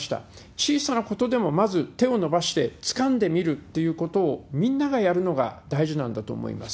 小さなことでもまず手を伸ばしてつかんでみるっていうことをみんながやるのが大事なんだと思います。